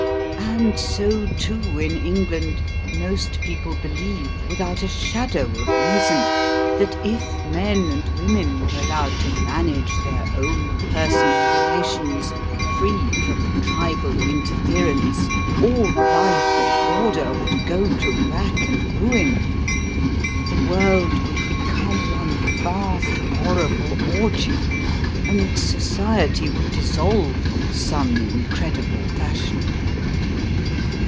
And so too, in England, most people believe, without a shadow of reason, that if men and women were allowed to manage their own personal relations, free from tribal interference, all life and order would go to rack and ruin; the world would become one vast, horrible orgy; and society would dissolve in some incredible fashion.